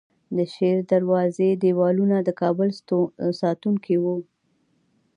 د شیردروازې دیوالونه د کابل ساتونکي وو